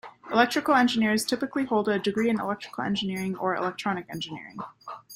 Electrical engineers typically hold a degree in electrical engineering or electronic engineering.